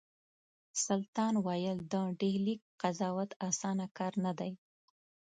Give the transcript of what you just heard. سلطان ویل د ډهلي قضاوت اسانه کار نه دی.